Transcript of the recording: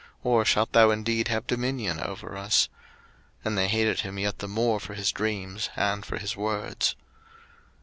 or shalt thou indeed have dominion over us? And they hated him yet the more for his dreams, and for his words.